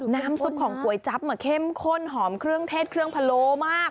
น้ำซุปของก๋วยจั๊บเข้มข้นหอมเครื่องเทศเครื่องพะโลมาก